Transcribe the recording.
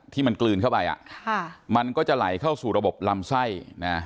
ที่มันกลืนเข้าไปอ่ะค่ะมันก็จะไหลเข้าสู่ระบบลำไส้นะ